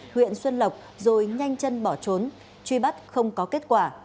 huyện xuân lộc rồi nhanh chân bỏ trốn truy bắt không có kết quả